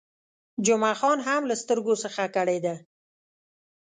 جمعه خان هم له سترګو څخه کړېده.